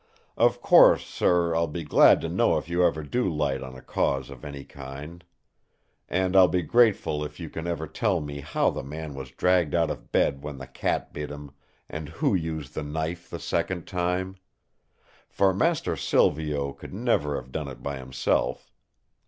Of course, sir, I'll be glad to know if you ever do light on a cause of any kind. And I'll be grateful if you can ever tell me how the man was dragged out of bed when the cat bit him, and who used the knife the second time. For master Silvio could never have done it by himself.